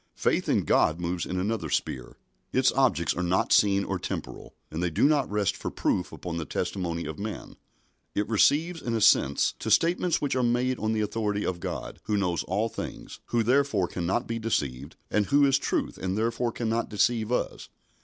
Faith in God moves in another sphere. Its objects are not seen or temporal, and they do not rest for proof upon the testimony of man. It receives and assents to statements which are made on the authority of God, who knows all things, who therefore cannot be deceived, and who is truth and therefore cannot deceive us.